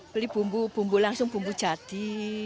beli bumbu bumbu langsung bumbu jadi